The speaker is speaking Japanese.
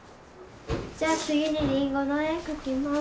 じゃあ次にリンゴの絵描きます。